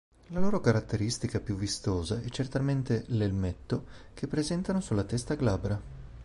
La loro caratteristica più vistosa è certamente l'"elmetto" che presentano sulla testa glabra.